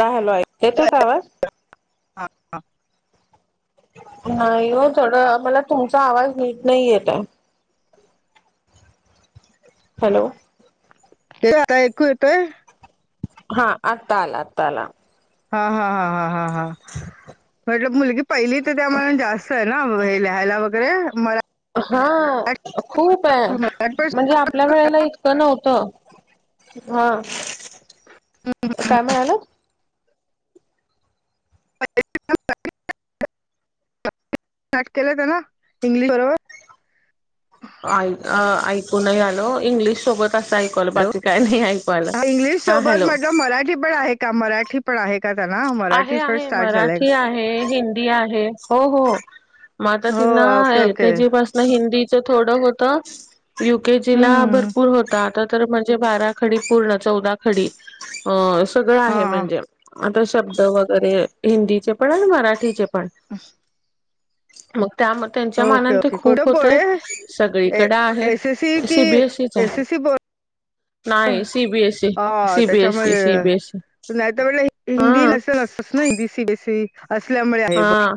आता हॅलो येतोय का आवाज? [inaudible] नाही हो थोडं मला तुमचा आवाज नीट नाही येत आहे. हॅलो आता ऐकू येते हा आता आला आता आला हा हा हा हा हा म्हटल मुलगी पहिलीत तर त्या जास्त आहे ना हे लिहायला वगैरे म हा खूप आहे मराठी पण म्हणजे आप आपल्या वेळेला इतकं नव्हतं हा काय म्हणालात [inaudible] नाटकालंय आहे ना इंग्लिश बरोबर ऐकू नाही आलं इंग्लिश सोबत असं एक हो इंग्लिश हा सोबत हॅलो म्हटल मराठी पण आहे का मराठी पण आहे का त्यांना मराठी [unintelligible] स्टार्ट झाले ये हिंदी आहे मग हो त्यांना okay L okay K G पासून हिंदीच थोडं होत युके जी ला हम्म भरपूर होता आता तर म्हणजे बारा खडी पूर्ण चौदा खडी सगळ हा आहे हा म्हणजे आता शब्द वगैरे हिंदीचे पण आणि मराठीचे पण. मग त्याम त्यांच्या ओके मानान ते ओके खूप कुठं होतयं बोर्डे एस सगळीकडे आहे एस कि सी बी ए सी चा एस आहे. एस सी बोर्ड नाही सी बी एस सी हा सी बी एस सी त्याच्यामुळे सी बी एस सी. नाही तर म्हटलं हिंदी नसेल अस ना Hindi C B S C असल्यामुळे आहे हा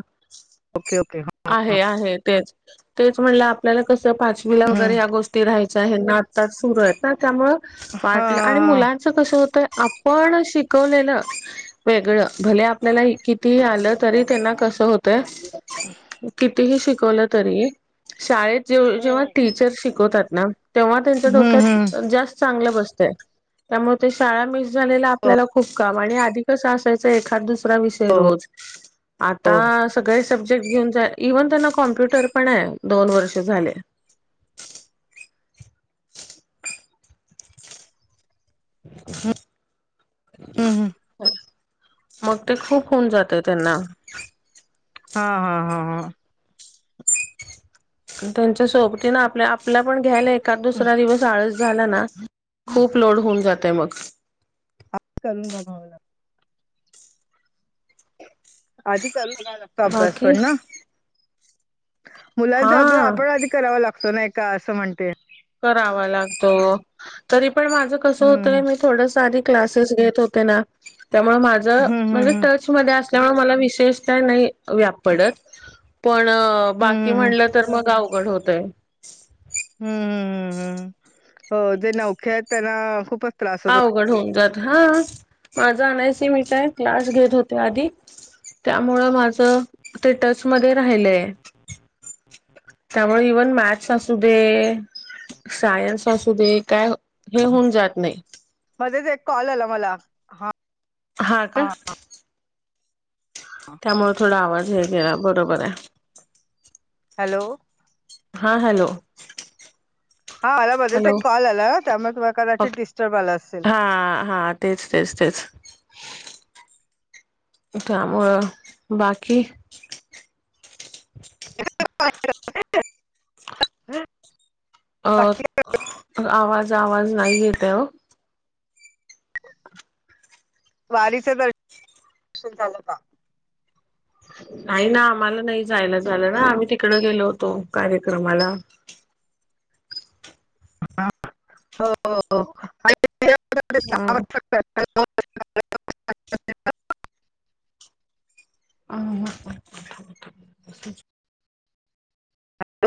ओके ओके आहे आहे तेच तेच म्हणलं आपल्याला कस पाच ला वगैरे हम्म या गोष्टी राहायच्या ह्यांना आता सुरू आहेत ना त्यामुळं हा वाटलं आणि हा. मुलां च कस होतय आपण शिकवलेलं वेगळ भले आपल्याला कितीही आलं तरी त्यांना कस होतय कितीही शिकवलं तरी शाळेत जे जेव्हा हम्म. टीचर शिकवतात ना तेव्हा त्यांच्या हम्म हम्म डोक्यात जास्त चांगलं बसतयं. त्यामुळे ते शाळा मिस झालेल हो आपल्याला खूप काम आणि आधी कसं असायचं एखाद दुस सरा विषय रोज. आता हम्म सगळे सब्जेक्ट घेऊन जा इव्हन त्यांना कॉम्प्युटर पण आहे दोन वर्ष झाले. हम्म हो. मग ते खूप होऊन जातंय त्यांना. हा हा हा हा. त्यांच्या सोबतीनं आपला आपल्या पण घ्यायला एकाद दुसरा दिवस आळस झाला ना खूप लोड होऊन जातयं मग. करून बघाव ला आधी करून बघाव लागतो अभ्यास बाकी पण ना. मुलांचा अभ्यास हा आपण आधी करावा लागतो नाही का असं म्हणते. करावा लागतो तरी पण माझं कसं होतय मी थोडंसं आधी क्लासेस घेत होते ना त्यामुळे माझ हम्म म्हणजे हम्म हम्म टच शमध्ये असल्यामुळं मला विशेष काय नाई व्याप पडत. पण बाकी हम्म म्हणलं तर मग आवघड होतयं. हम्म हं हम्मम्म हम्म हो जे नौखे आहेत त्यांना खूपच त्रास होतो अवघड होऊन जात हा माझं आणायसे मी काय क्लास घेत होते आधी. त्यामुळं माझ ते टच मध्ये राहिलंय. त्यामुळे इव्हन मॅथ्स असू दे. सायन्स असू दे काय हे होऊन जात नाही. मध्येच एक कॉल आला मला हा. हा का. त्यामुळे थोडा आवाज हे गेला बरोबर आहे. हॅलो. हा हॅलो. हा मला मध्येच हॅलो एक कॉल आला त्यामुळे तुम्हाला कदाचित ओके डिस्टर्ब आल असेल. हा हा तेच तेच तेच त्यामुळं बाकी. [unintelligible] अ बाकी आवाज आवाज नाही येतय ओ. वारीच दर्शन झालं का? नाही ना आम्हाला नाही जायला झालं ना आम्ही तिकड गेलो होतो कार्यक्रमाला. हा हो हो हो. हा [unintelligible] [unintelligible] हम्म हं कं.